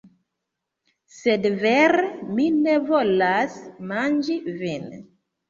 Sed vere, mi ne volas manĝi vin.